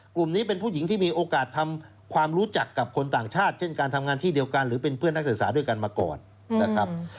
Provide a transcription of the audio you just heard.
กลุ่มนี้เป็นผู้หญิงที่มีโอกาสทำความรู้จักกับคนต่างชาติเช่นการทำงานที่เดียวกันหรือเป็นเพื่อนนักศึกษาด้วยกันมาก่อนนะครับ